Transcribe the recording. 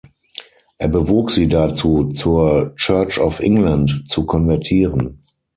Er bewog sie dazu, zur Church of England zu konvertieren.